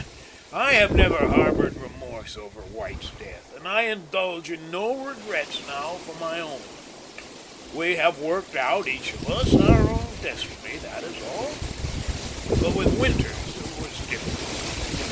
I have never harbored remorse over White's death, and I indulge in no regrets now for my own. We have worked out, each of us, our own destiny, that is all; but with Winters, it was different.